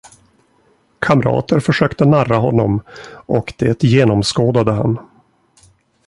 Kamrater försökte narra honom, och det genomskådade han.